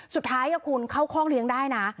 สุดท้ายคุณเข้าคอกเลี้ยงได้นะ